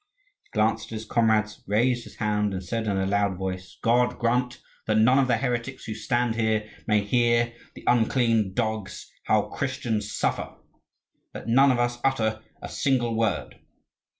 He glanced at his comrades, raised his hand, and said in a loud voice: "God grant that none of the heretics who stand here may hear, the unclean dogs, how Christians suffer! Let none of us utter a single word."